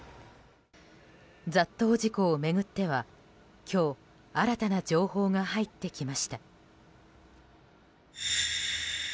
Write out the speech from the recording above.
雑踏事故を巡っては今日新たな情報が入ってきました。